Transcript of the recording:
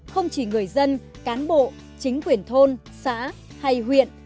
không chỉ người dân cán bộ chính quyền thôn xã hay huyện